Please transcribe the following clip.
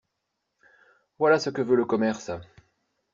Voilà ce que veut le commerce!